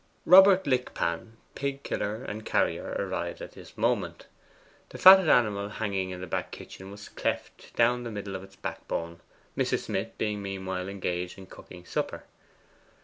Robert Lickpan, pig killer and carrier, arrived at this moment. The fatted animal hanging in the back kitchen was cleft down the middle of its backbone, Mrs. Smith being meanwhile engaged in cooking supper.